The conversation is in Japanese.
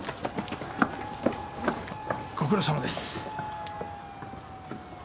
ご苦労さまです。